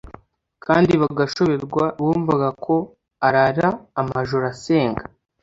kandi bagashoberwa. Bumvaga ko arara amajoro asenga